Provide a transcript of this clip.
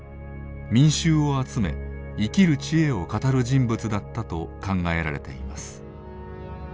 民衆を集め生きる知恵を語る人物だったと考えられています。